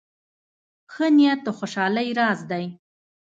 ښه نیت د خوشحالۍ راز دی.